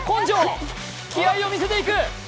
気合いを見せていく！